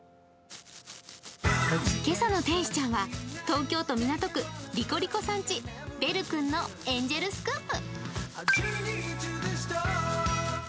今朝の天使ちゃんは東京都・港区リコリコさんち、ベル君のエンジェルスクープ。